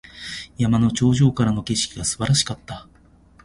山の頂上からの景色が素晴らしかった。